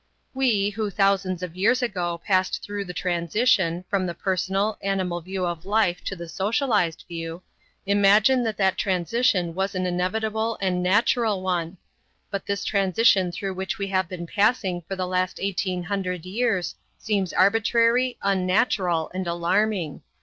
We, who thousands of years ago passed through the transition, from the personal, animal view of life to the socialized view, imagine that that transition was an inevitable and natural one; but this transition through which we have been passing for the last eighteen hundred years seems arbitrary, unnatural, and alarming.